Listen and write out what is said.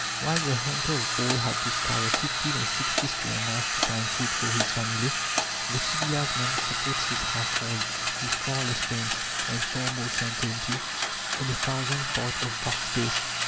While the hunter of old had to scour fifty or sixty square miles to find food for his family, the civilized man supports his household, with far less pains, and far more certainty, on a thousandth part of that space.